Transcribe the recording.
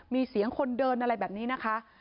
มีเสียงคนเดินอะไรแบบนี้นะคะ